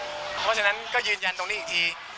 เพราะฉะนั้นก็ยืนยันตรงนี้อีกที